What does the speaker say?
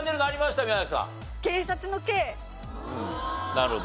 なるほど。